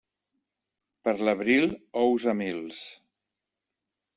Per l'abril, ous a mils.